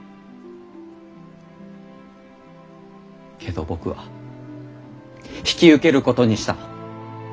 けど僕は引き受けることにした。